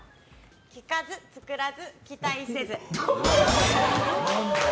聞かず、作らず、期待せず。